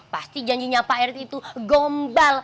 pasti janjinya pak erick itu gombal